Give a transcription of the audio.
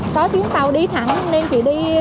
có chuyến tàu đi thẳng nên chị đi